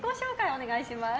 お願いします。